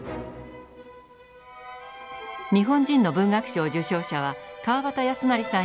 日本人の文学賞受賞者は川端康成さん